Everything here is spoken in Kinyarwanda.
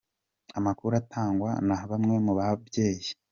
Amakuru atangwa na bamwe mu babyeyi.